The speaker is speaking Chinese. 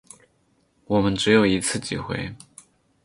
我们只有一次机会